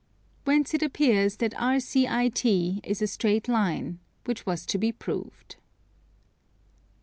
Whence it appears that RCIT is a straight line; which was to be proved.